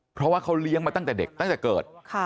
เพราะว่าเขาเลี้ยงมาตั้งแต่เด็กตั้งแต่เกิด